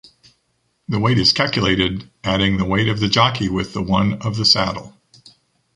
The weight is calculated adding the weight of the jockey with the one of the saddle.